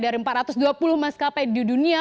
dari empat ratus dua puluh maskapai di dunia